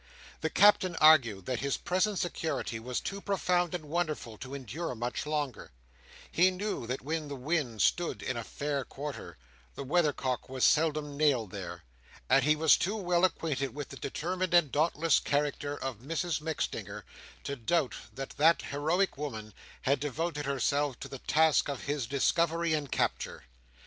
The Captain argued that his present security was too profound and wonderful to endure much longer; he knew that when the wind stood in a fair quarter, the weathercock was seldom nailed there; and he was too well acquainted with the determined and dauntless character of Mrs MacStinger, to doubt that that heroic woman had devoted herself to the task of his discovery and capture.